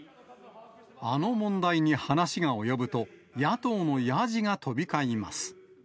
あの問題に話が及ぶと、野党のやじが飛び交います。